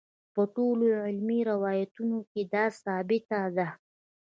په ټولو علمي روایتونو کې دا ثابته ده.